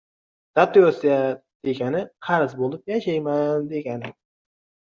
Dotatsiya degani... qarz bo‘lib yashaymiz, degani.